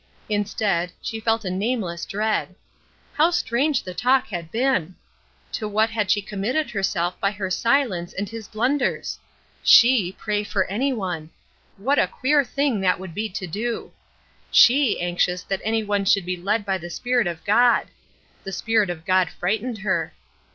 Instead, she felt a nameless dread. How strange the talk had been! To what had she committed herself by her silence and his blunders? She pray for any one! What a queer thing that would be to do. She anxious that any one should be led by the spirit of God! The spirit of God frightened her.